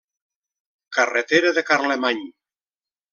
Carretera de Carlemany.